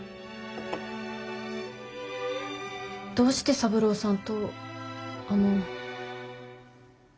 どうして三郎さんとあの。